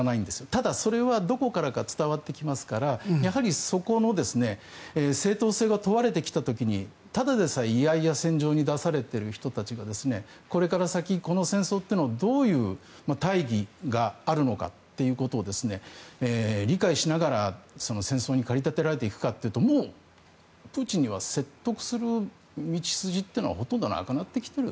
ただ、それはどこからか伝わってきますからやはりそこの正当性が問われてきたところにただでさえ、いやいや戦場に出されている人たちがこれから先、この戦争にどういう大義があるのかっていうことを理解しながら戦争に駆り立てられていくかというともうプーチンには説得する道筋というのはほとんどなくなってきている。